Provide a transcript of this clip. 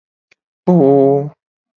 Kpoo.